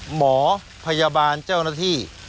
หมอพยาบาลเจ้าหน้าที่